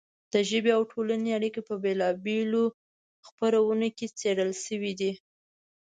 د ژبې او ټولنې اړیکې په بېلا بېلو خپرونو کې څېړل شوې دي.